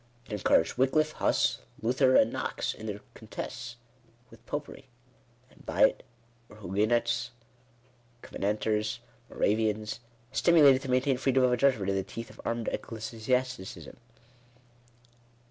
It encouraged Wickliffe, Huss, Luther, and Knox, in their contests with Popery; and by it were Hugue nots, Covenanters, Moravians, stimulated to maintain freedom of judgment in the teeth of armed Ecclesiasticism.